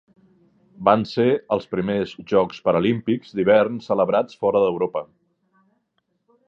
Van ser els primers Jocs Paralímpics d'hivern celebrats fora d'Europa.